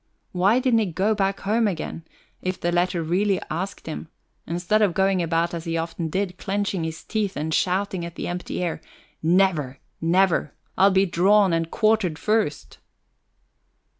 Why didn't he go back home again, if the letter really asked him, instead of going about as he often did, clenching his teeth and shouting at the empty air: "Never, never! I'll be drawn and quartered first?"